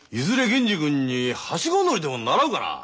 銀次君にはしご乗りでも習うかな。